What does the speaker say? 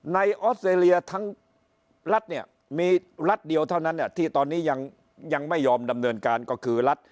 ออสเตรเลียทั้งรัฐเนี่ยมีรัฐเดียวเท่านั้นที่ตอนนี้ยังไม่ยอมดำเนินการก็คือรัฐ